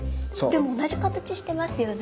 でも同じ形してますよね？